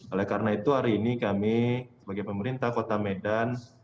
oleh karena itu hari ini kami sebagai pemerintah kota medan